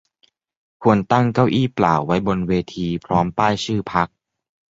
ควรตั้งเก้าอี้เปล่าไว้บนเวทีพร้อมป้ายชื่อพรรค